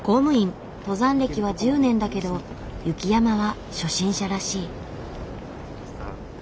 登山歴は１０年だけど雪山は初心者らしい。